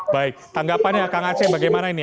baik tanggapannya kang aceh bagaimana ini